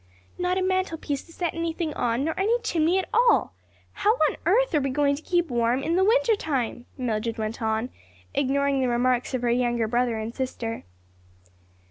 "Not a mantelpiece to set anything on, nor any chimney at all! How on earth are we going to keep warm in the winter time?" Mildred went on, ignoring the remarks of her younger brother and sister.